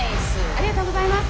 ありがとうございます。